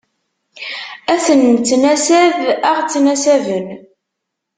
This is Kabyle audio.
Ad tennettnasab, ad ɣ-ttnasaben.